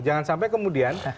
jangan sampai kemudian